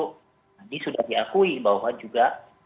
tadi sudah diakui bahwa juga